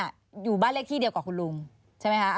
อยู่บ้านเลขที่เดียวกับคุณลุงใช่ไหมคะ